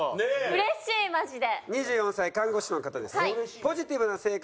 うれしいマジで！